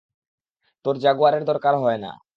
তোর জাগুয়ারের দরকার হয় না।